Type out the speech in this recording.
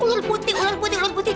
ular putih ular putih ular putih